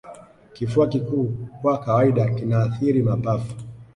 Kifua kikuu kwa kawaida kinaathiri mapafu